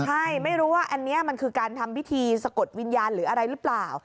ใช่ไม่รู้ว่าอันนี้มันคือการทำพิธีสะกดวิญญาณหรืออะไรหรือเปล่า